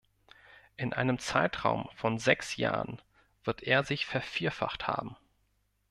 In einem Zeitraum von sechs Jahren wird er sich vervierfacht haben.